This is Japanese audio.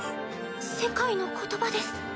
世界の言葉です。